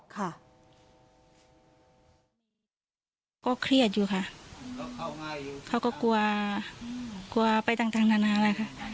ก็เครียดอยู่ค่ะเขาก็กลัวไปทางทางนานแล้วค่ะ